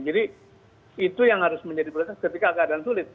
jadi itu yang harus menjadi prioritas ketika keadaan sulit